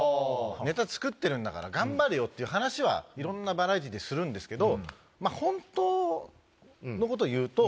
「ネタ作ってるんだから頑張れよ」っていう話はいろんなバラエティでするんですけど本当のこと言うと。